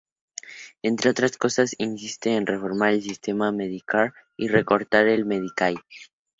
Entre otras cosas, insiste en reformar el sistema de Medicare y recortar el Medicaid.